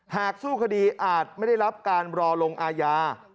สู้คดีอาจไม่ได้รับการรอลงอาญา